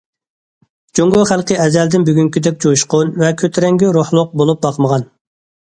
جۇڭگو خەلقى ئەزەلدىن بۈگۈنكىدەك جۇشقۇن ۋە كۆتۈرەڭگۈ روھلۇق بولۇپ باقمىغان.